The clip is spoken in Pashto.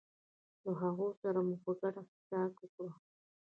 له هغو سره مو په ګډه څښاک وکړ.